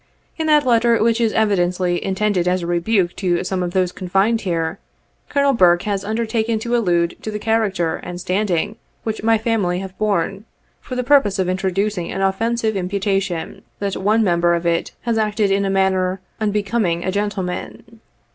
In that letter, which is evidently intended as a rebuke to some of those confined here, Colonel Burke has undertaken to allude to the character and standing which my family have borne, for the purpose of introducing an offensive imputation, that one member of it has acted in a manner unbecoming a gentleman.